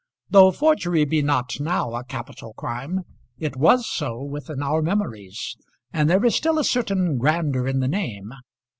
Though forgery be not now a capital crime, it was so within our memories, and there is still a certain grandeur in the name.